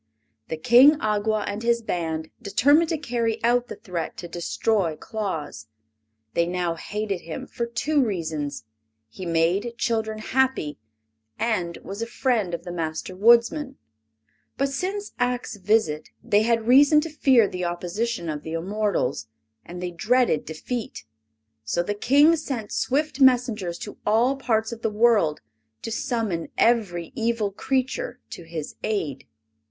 The King Awgwa and his band determined to carry out the threat to destroy Claus. They now hated him for two reasons: he made children happy and was a friend of the Master Woodsman. But since Ak's visit they had reason to fear the opposition of the immortals, and they dreaded defeat. So the King sent swift messengers to all parts of the world to summon every evil creature to his aid.